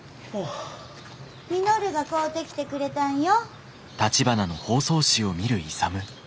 稔が買うてきてくれたんよ。